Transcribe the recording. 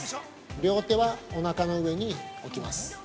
両手は、おなかの上に置きます。